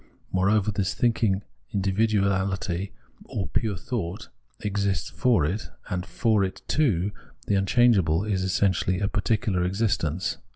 Moreover, this thinking individuahty, or pure thought, exists for it, and for it too the unchangeable is essentially a particular existence.